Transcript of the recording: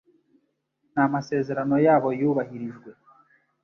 Nta masezerano yabo yubahirijwe.